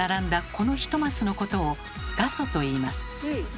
この１マスのことを「画素」といいます。